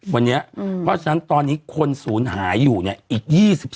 เพราะฉะนั้นตอนนี้คนศูนย์หายอยู่เนี่ยอีก๒๔